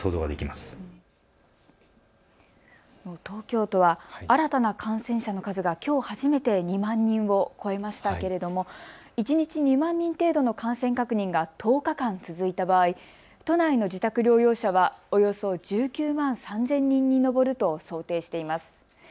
東京都は新たな感染者の数がきょう初めて２万人を超えましたけれども一日２万人程度の感染確認が１０日間続いた場合、都内の自宅療養者はおよそ１９万３０００人に上ると想定しています。